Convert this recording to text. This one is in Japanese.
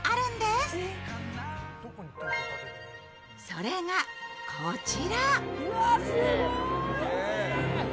それがこちら。